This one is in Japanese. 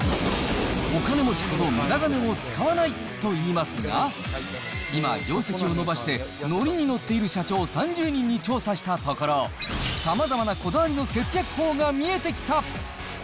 お金持ちほどむだ金を使わないといいますが、今、業績を伸ばしてノリにノッている社長３０人に調査したところ、さまざまなこだわりの節約法が見えてきた。